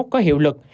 có hiệu lực